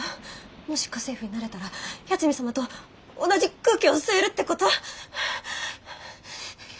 もし家政婦になれたら八海サマと同じ空気を吸えるってこと！？